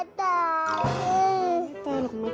ไม่ได้หรอกมันแค่เหนื่อยนะ